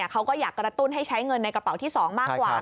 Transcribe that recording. เขาก็อยากกระตุ้นให้ใช้เงินในกระเป๋าที่๒มากกว่า